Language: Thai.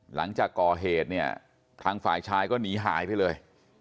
หลังจากก่อเหตุเนี่ยทางฝ่ายชายก็หนีหายไปเลย